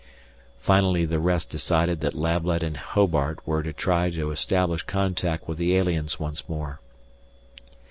Finally the rest decided that Lablet and Hobart were to try to establish contact with the aliens once more.